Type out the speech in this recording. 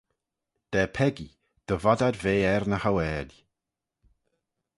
Da peccee, dy vod ad ve er ny hauaill.